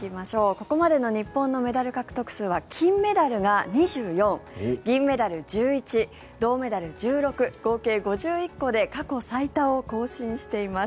ここまでの日本のメダル獲得数は金メダルが２４銀メダル１１銅メダル１６合計５１個で過去最多を更新しています。